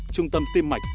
trung tâm tiêm mạch